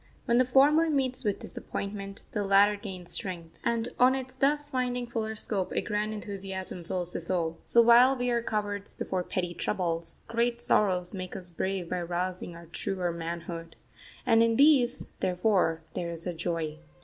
When the former meets with disappointment, the latter gains strength, and on its thus finding fuller scope a grand enthusiasm fills the soul. So while we are cowards before petty troubles, great sorrows make us brave by rousing our truer manhood. And in these, therefore, there is a joy.